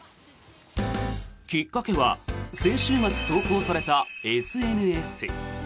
きっかけは先週末投稿されたＳＮＳ。